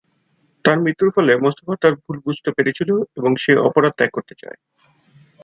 তার মৃত্যুর ফলে মোস্তফা তার ভুল বুঝতে পেরেছিল এবং সে অপরাধ ত্যাগ করতে চায়।